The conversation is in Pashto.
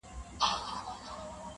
• خامخا به څه سُرور د پیالو راوړي..